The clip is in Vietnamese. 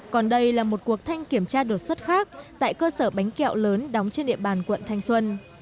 còn đây là một cuộc thanh kiểm tra đột xuất khác tại cơ sở bánh kẹo lớn đóng trên địa bàn quận thanh xuân